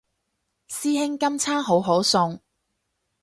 師兄今餐好好餸